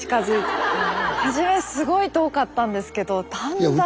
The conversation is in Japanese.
初めすごい遠かったんですけどだんだん。